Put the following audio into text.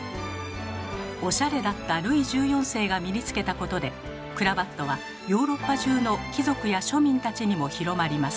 おしゃれだったルイ１４世が身につけたことでクラヴァットはヨーロッパ中の貴族や庶民たちにも広まります。